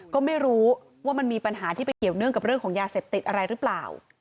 ก็ไม่รู้ว่ามันมีปัญหาที่ไปเกี่ยวเนื่องกับเรื่องของยาเสพติดอะไรหรือเปล่า